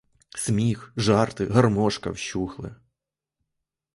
Сміх, жарти, гармошка вщухли.